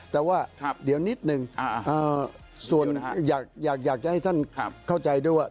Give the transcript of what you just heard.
แต่ว่าเดี๋ยวนิดนึงส่วนอยากจะให้ท่านเข้าใจด้วยว่า